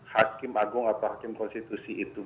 hakim agung atau hakim konstitusi itu